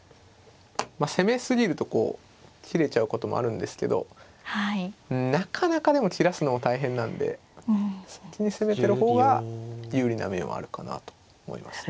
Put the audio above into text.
攻め過ぎると切れちゃうこともあるんですけどなかなかでも切らすのも大変なんで先に攻めてる方が有利な面はあるかなと思いますね。